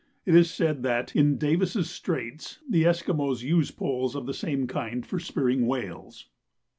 It is said that, in Davis' Straits, the Esquimaux use poles of the same kind for spearing whales.